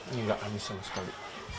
ini nggak anies sama sekali